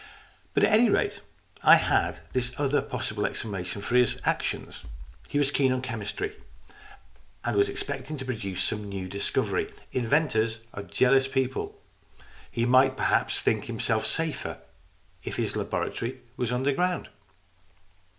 But at any rate I had this other possible explanation for his actions. He was keen on chemistry and was expecting to produce some new discovery. Inventors are jealous people. ^He might perhaps think himself safer if his laboratory were underground.